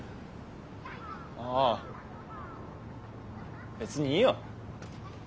ああ別にいいよ。